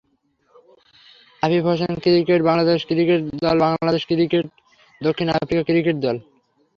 Afif হোসেনক্রিকেটবাংলাদেশ cricket দলবাংলাদেশ ক্রিকেটদক্ষিণ Africa cricket দল